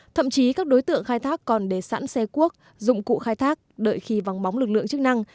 thậm chí các đối tượng khai thác còn để sẵn xe cuốc dụng cụ khai thác đợi khi vắng bóng lực lượng chức năng